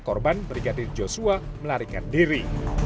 korban brigadir joshua melarikan diri